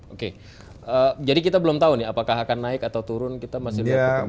ok jadi kita belum tau apakah akan naik atau turun kita masih lihat kekembangan